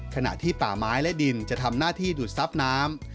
ขณะที่ป่าไม้และดินจะทำหน้าที่ดูดซับน้ำ